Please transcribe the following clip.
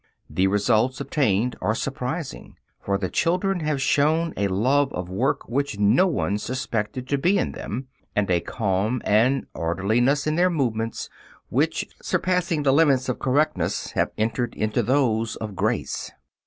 The results obtained are surprising, for the children have shown a love of work which no one suspected to be in them, and a calm and an orderliness in their movements which, surpassing the limits of correctness have entered into those of "grace."